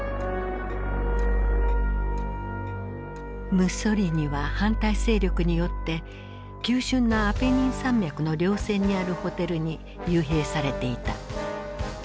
ムッソリーニは反対勢力によって急しゅんなアペニン山脈のりょう線にあるホテルに幽閉されていた。